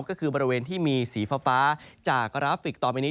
ก็คือบริเวณที่มีสีฟ้าจากกราฟิกต่อไปนี้